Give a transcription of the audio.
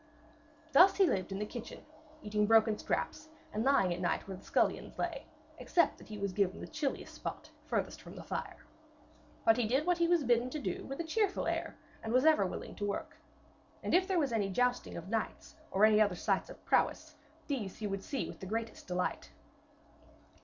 Thus he lived in the kitchen, eating broken scraps, and lying at night where the scullions lay, except that he was given the chilliest spot furthest from the fire. But he did what he was bidden to do with a cheerful air and was ever willing to work. And if there was any jousting of knights or any other sights of prowess, these would he see with the greatest delight.